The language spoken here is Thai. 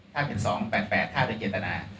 ถ้าเป็น๒๘๘ค่าตัวเกียรตนา